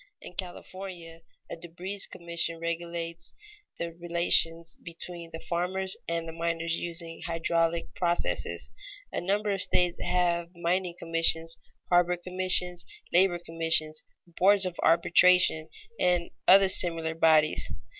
In California, a debris commission regulates the relations between the farmers and the miners using hydraulic processes. A number of states have mining commissions, harbor commissions, labor commissions, boards of arbitration, and other similar bodies.